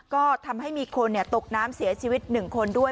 ก็ทำให้มีคนตกน้ำเสียชีวิต๑คนด้วย